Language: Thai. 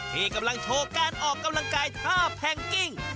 ที่กำลังโชว์การออกกำลังกายท่าแพงกิ้ง